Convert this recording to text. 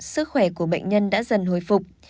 sức khỏe của bệnh nhân đã dần hồi phục